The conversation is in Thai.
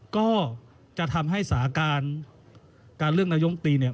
ก็จะทำให้สถาการณ์การเลือกนายกรัฐมนตรี